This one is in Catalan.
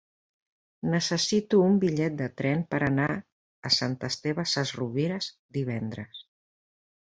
Necessito un bitllet de tren per anar a Sant Esteve Sesrovires divendres.